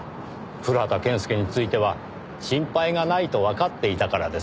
古畑健介については心配がないとわかっていたからです。